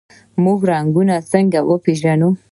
موږ رنګونه څنګه پیژنو؟